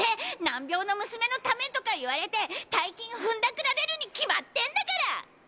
「難病の娘の為」とか言われて大金をふんだくられるに決まってんだからァ！